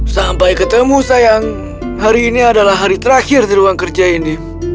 sampai ketemu sayang hari ini adalah hari terakhir di ruang kerja ini